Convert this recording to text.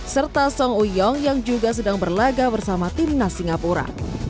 serta song uyong yang juga sedang berlaga bersama timnas singapura